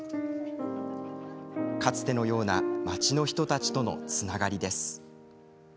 かつてのような町の人たちとのつながりです。